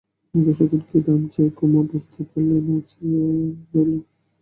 মধুসূদন কী দাম চায় কুমু বুঝতে পারলে না, চেয়ে রইল।